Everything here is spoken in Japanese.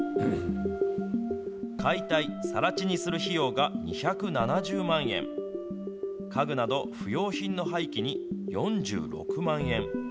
解体、さら地にする費用が２７０万円、家具など不用品の廃棄に４６万円。